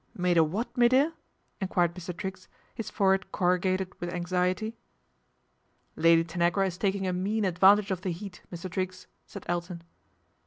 " Made a what, me dear ?" enquired Mr. riggs, his forehead corrugated with anxiety. " Lady Tanagra is taking a mean advantage of tie heat, Mr. Triggs," said Elton.